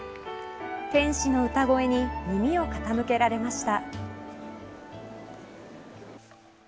天使の歌声に耳を傾けられました。